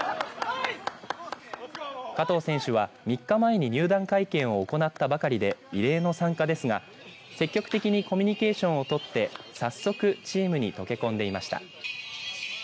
加藤選手は３日前に入団会見を行ったばかりで異例の参加ですが積極的にコミュニケーションを取って早速チームに溶け込んでいました。